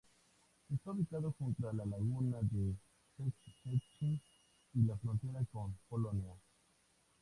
Está ubicado junto a la laguna de Szczecin y la frontera con Polonia.